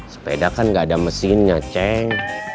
sepeda kan nggak ada mesinnya ceng